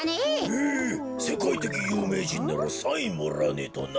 へえせかいてきゆうめいじんならサインもらわねえとな。